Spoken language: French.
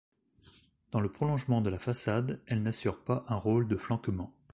Dans le prolongement de la façade, elles n'assurent pas un rôle de flanquement.